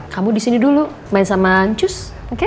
kamu di sini dulu main sama ancus oke